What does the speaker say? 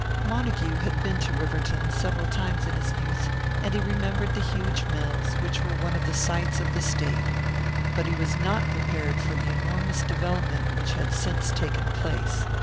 Montague had been to Riverton several times in his youth, and he remembered the huge mills, which were one of the sights of the State. But he was not prepared for the enormous development which had since taken place.